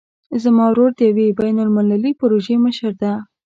زما ورور د یوې بین المللي پروژې مشر ده